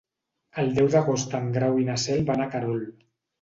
El deu d'agost en Grau i na Cel van a Querol.